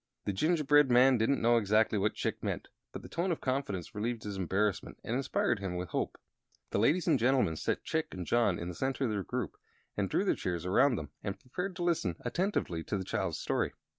The gingerbread man didn't know exactly what Chick meant, but the tone of confidence relieved his embarrassment and inspired him with hope. The ladies and gentlemen set Chick and John in the center of their group and drew their chairs around them and prepared to listen attentively to the child's story.